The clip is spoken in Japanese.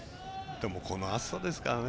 でも、この暑さですからね。